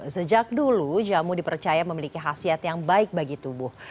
sejak dulu jamu dipercaya memiliki khasiat yang baik bagi tubuh